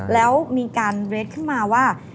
แล้วมีการเรทขึ้นมาว่า